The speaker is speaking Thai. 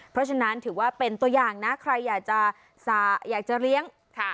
เพราะฉะนั้นถือว่าเป็นตัวอย่างนะใครอยากจะเลี้ยง